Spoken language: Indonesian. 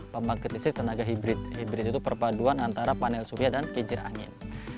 pembangkit listrik tenaga hibrid hibrid itu perpaduan antara panel suhya dan kincir angin